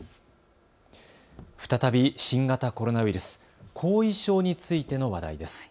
再び新型コロナウイルス、後遺症についての話題です。